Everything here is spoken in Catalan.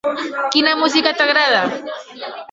Quina música t'agrada?